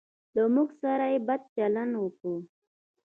له موږ سره بد چلند وکړ.